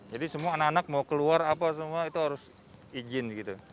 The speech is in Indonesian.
jadi semua anak anak mau keluar itu harus izin